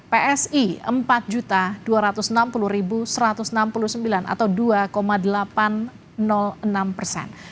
psi empat dua ratus enam puluh satu ratus enam puluh sembilan atau dua delapan puluh enam enam persen